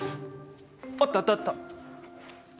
あったあったあった。